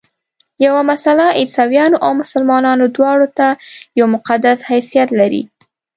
یوه مسله عیسویانو او مسلمانانو دواړو ته یو مقدس حیثیت لري.